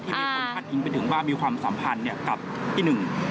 ที่ลดหัฒน์อิงไปถึงว่ามีความสัมพันธ์กับที่๑